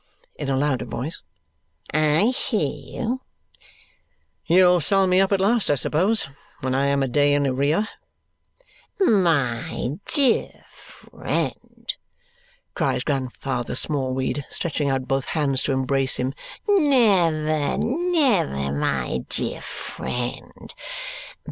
in a louder voice. "I hear you." "You'll sell me up at last, I suppose, when I am a day in arrear." "My dear friend!" cries Grandfather Smallweed, stretching out both hands to embrace him. "Never! Never, my dear friend!